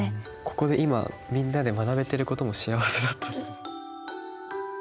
ここで今みんなで学べてることも幸せだった。